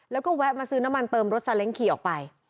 แล้วก็แวะมาซื้อน้ำมันเติมรถซาเล้งขี่ออกไป